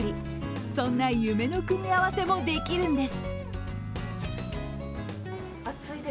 そんな夢の組み合わせもできるんです。